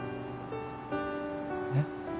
えっ？